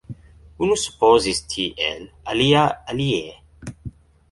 Unu supozis tiel, alia alie.